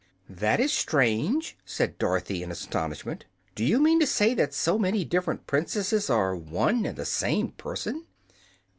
"That is strange," said Dorothy, in astonishment. "Do you mean to say that so many different princesses are one and the same person?"